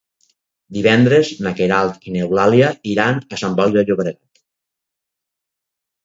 Divendres na Queralt i n'Eulàlia iran a Sant Boi de Llobregat.